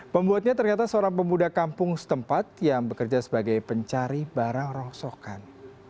pembuatnya ternyata seorang pemuda kampung setempat yang bekerja sebagai pencari barang rongsokan